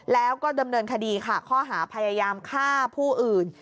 แล้วก็ดำเนินคดีค่ะข้อหาพยายามฆ่าผู้อื่น